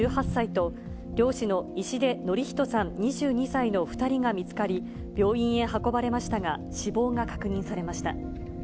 １８歳と、漁師の石出のりひとさん２２歳の２人が見つかり、病院へ運ばれましたが、死亡が確認されました。